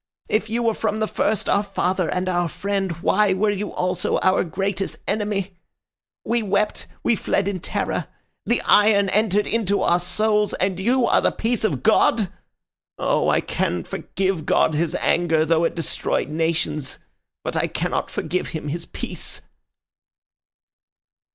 If you were from the first our father and our friend, why were you also our greatest enemy? We wept, we fled in terror; the iron entered into our souls—and you are the peace of God! Oh, I can forgive God His anger, though it destroyed nations; but I cannot forgive Him His peace."